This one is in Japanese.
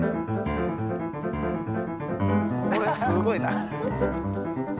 これすごいな。